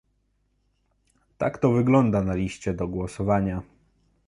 Tak to wygląda na liście do głosowania